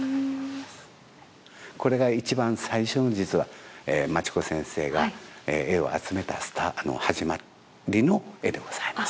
これが一番最初の実は町子先生が絵を集めた始まりの絵でございます。